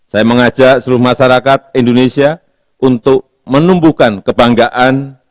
saya mengajak seluruh masyarakat indonesia untuk menumbuhkan kebanggaan